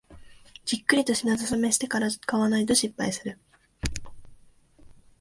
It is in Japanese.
じっくりと品定めしてから買わないと失敗する